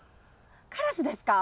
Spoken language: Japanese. カラスですか？